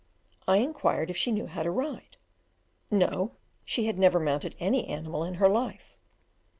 I inquired if she knew how to ride? No; she had never mounted any animal in her life.